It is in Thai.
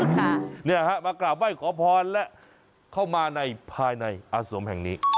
เนี่ยฮะมากราบไหว้ขอพรและเข้ามาในภายในอาสมแห่งนี้